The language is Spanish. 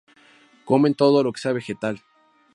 Comen todo lo que sea vegetal.